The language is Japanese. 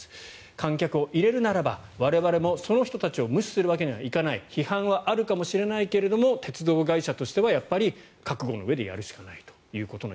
観客を入れるならば我々もその人たちを無視するわけにはいかない批判はあるかもしれないけれども鉄道会社としては覚悟のうえでやるしかないと。